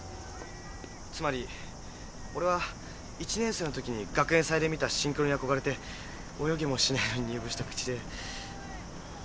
つまり俺は１年生のときに学園祭で見たシンクロにあこがれて泳げもしないのに入部したクチで。